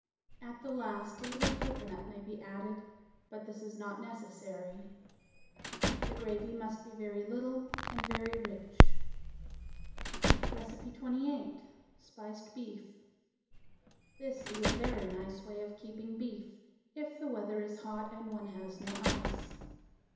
At the last a little cocoanut may be added, but this is not necessary. The gravy must be very little and very rich. 28. Spiced Beef. This is a very nice way of keeping beef if the weather is hot and one has no ice.